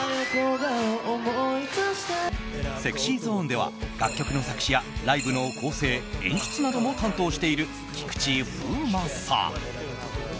ＳｅｘｙＺｏｎｅでは楽曲の作詞やライブの構成演出なども担当している菊池風磨さん。